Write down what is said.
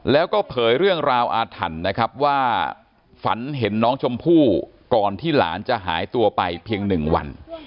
แล้วก็เผยเรื่องราวอาถรรพ์นะครับว่าฝันเห็นน้องชมพู่ก่อนที่หลานจะหายตัวไปเพียง๑วัน